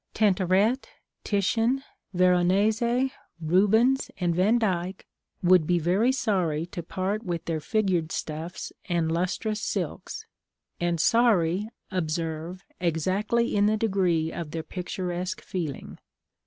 Tintoret, Titian, Veronese, Rubens, and Vandyck, would be very sorry to part with their figured stuffs and lustrous silks; and sorry, observe, exactly in the degree of their picturesque feeling.